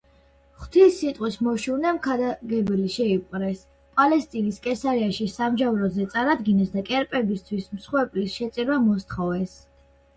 ღვთის სიტყვის მოშურნე მქადაგებელი შეიპყრეს, პალესტინის კესარიაში სამსჯავროზე წარადგინეს და კერპებისთვის მსხვერპლის შეწირვა მოსთხოვეს.